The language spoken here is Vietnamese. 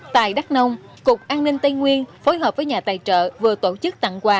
tại đắk nông cục an ninh tây nguyên phối hợp với nhà tài trợ vừa tổ chức tặng quà